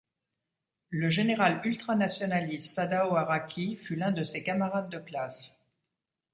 Le général ultranationaliste Sadao Araki fut l'un de ses camarades de classe.